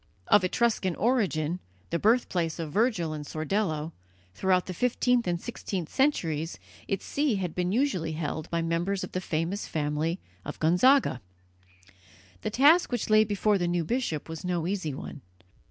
Of Etruscan origin, and the birthplace of Virgil and Sordello, throughout the fifteenth and sixteenth centuries its see had been usually held by members of the famous family of Gonzaga. The task which lay before the new bishop was no easy one.